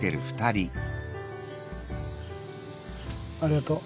ありがとう。